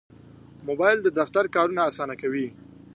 موبایل د دفتر کارونه اسانه کوي.